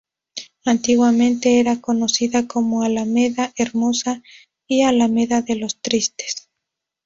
Antiguamente era conocida como Alameda Hermosa y Alameda de los Tristes.